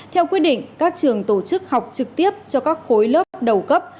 theo quyết định các trường tổ chức học trực tiếp cho các khối lớp đầu cấp